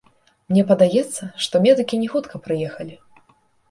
Мне падаецца, што медыкі не хутка прыехалі.